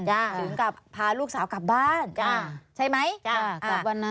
ถึงกับพาลูกสาวกลับบ้านจ้ะใช่ไหมจ้ะกับวันนั้น